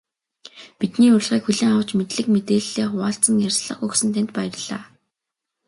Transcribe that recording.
Бидний урилгыг хүлээн авч, мэдлэг мэдээллээ хуваалцан ярилцлага өгсөн танд баярлалаа.